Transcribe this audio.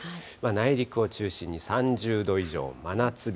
内陸を中心に３０度以上、真夏日。